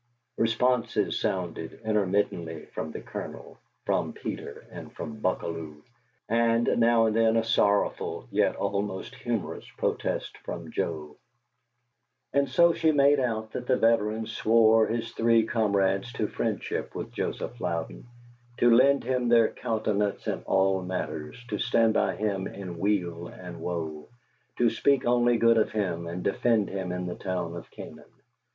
Responses sounded, intermittently, from the Colonel, from Peter, and from Buckalew, and now and then a sorrowful, yet almost humorous, protest from Joe; and so she made out that the veteran swore his three comrades to friendship with Joseph Louden, to lend him their countenance in all matters, to stand by him in weal and woe, to speak only good of him and defend him in the town of Canaan.